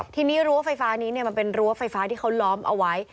ทีนี้รั้วไฟฟ้านี้มันเป็นรั้วไฟฟ้าที่เขาล้อมเอาไว้